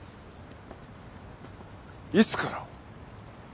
いつから？